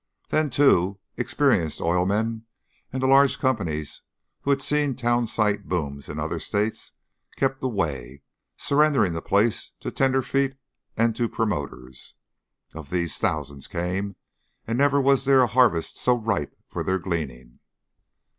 Then, too, experienced oil men and the large companies who had seen town site booms in other states, kept away, surrendering the place to tenderfeet and to promoters. Of these, thousands came, and never was there a harvest so ripe for their gleaning.